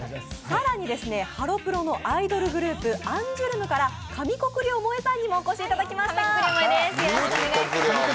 更に、ハロプロのアイドルグループアンジュルムから上國料萌衣さんにもお越しいただきました。